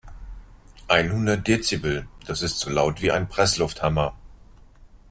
Einhundert Dezibel, das ist so laut wie ein Presslufthammer.